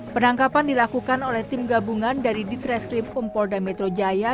penangkapan dilakukan oleh tim gabungan dari ditreskrim umpolda metro jaya